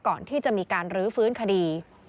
ก่อนที่จะมีการรื้อฟื้นคดี